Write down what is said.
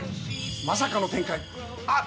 まさかの展開あっ